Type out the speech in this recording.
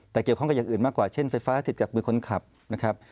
แต่เกี่ยวข้องกับอย่างอื่นมากกว่าเช่นไฟฟ้าติดจากมือคนขับนะครับ